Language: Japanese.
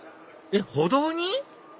えっ歩道に⁉